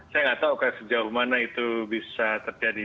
saya nggak tahu sejauh mana itu bisa terjadi